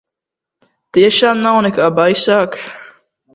Tiešām nav nekā baisāka?